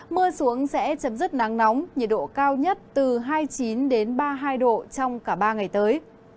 mưa xuống sẽ chấm dứt nắng nóng nhiệt độ cao nhất từ hai mươi chín ba mươi hai độ trong cả ba ngày tới